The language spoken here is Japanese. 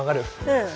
うん。